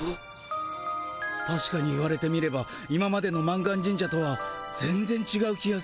たしかに言われてみれば今までの満願神社とは全ぜんちがう気がするな。